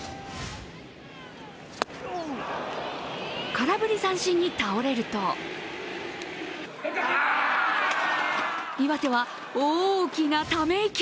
空振り三振に倒れると岩手は大きなため息。